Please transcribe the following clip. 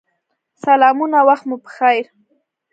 سلامونه وخت مو پخیر